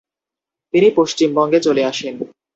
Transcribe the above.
তিনি পশ্চিমবঙ্গে চলে আসেন।